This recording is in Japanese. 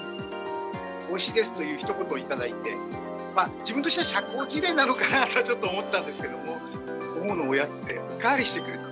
おいしいですというひと言を頂いて、まあ、自分としては社交辞令なのかなとちょっと思ったんですけれども、午後のおやつでおかわりしてくれた。